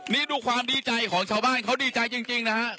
นี่ดูความดีใจของชาวบ้านเขาดีใจจริงนะฮะ